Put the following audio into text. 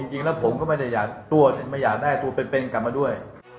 จริงแล้วผมก็ไม่ได้อยากได้ตัวเป็นกลับมาด้วย